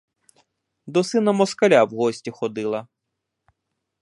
До сина москаля в гості ходила.